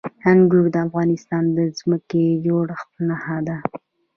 انګور د افغانستان د ځمکې د جوړښت نښه ده.